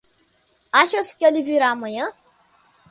Achas que ele virá amanhã?